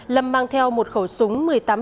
lâm mang theo một khẩu súng